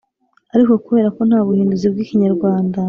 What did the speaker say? ariko kubera ko nta buhinduzi bw’ikinyarwanda